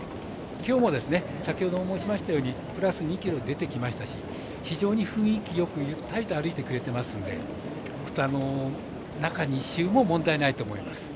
きょうも先ほども申しましたようにプラス２ｋｇ出てきましたし非常に雰囲気よく、ゆったりと歩いてくれてますので中２週も問題ないと思います。